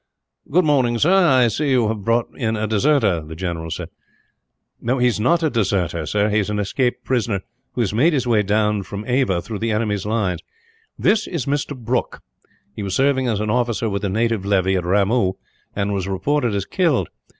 "Good morning, sir. I see you have brought in a deserter," the general said. "He is not a deserter, sir. He is an escaped prisoner, who has made his way down from Ava through the enemy's lines. "This is Mr. Brooke. He was serving as an officer with the native levy, at Ramoo, and was reported as killed.